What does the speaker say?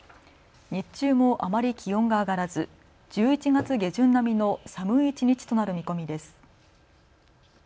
日中もあまり気温が上がらず１１月下旬並みの寒い一日となる見込みです。